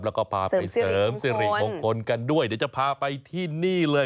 แล้วก็พาไปเสริมสิริมงคลกันด้วยเดี๋ยวจะพาไปที่นี่เลย